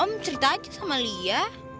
om cerita aja sama lia